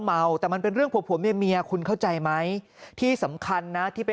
เมาแต่มันเป็นเรื่องผัวผัวเมียเมียคุณเข้าใจไหมที่สำคัญนะที่ไป